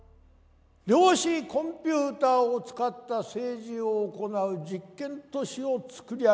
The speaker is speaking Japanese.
量子コンピューターを使った政治を行う実験都市を作り上げました。